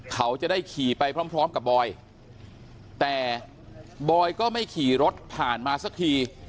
เขาจะได้ขี่ไปพร้อมกับบอยแต่บอยก็ไม่ขี่รถผ่านมาสักที